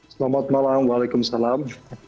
selamat malam waalaikumsalam